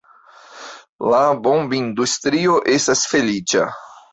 La bombindustrio estas feliĉa.